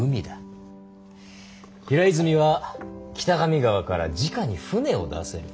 平泉は北上川からじかに船を出せる。